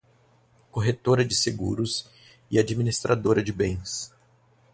Corretora de Seguros e Administradora de Bens